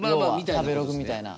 食べログみたいな。